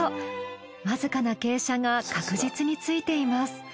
わずかな傾斜が確実についています。